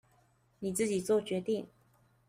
你自己作決定